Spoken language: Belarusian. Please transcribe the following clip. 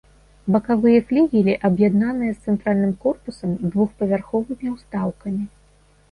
Бакавыя флігелі аб'яднаныя з цэнтральным корпусам двухпавярховымі ўстаўкамі.